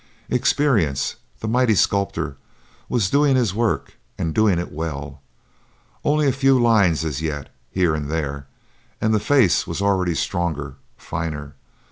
Experience, the mighty sculptor, was doing his work, and doing it well; only a few lines as yet, here and there, and the face was already stronger, finer.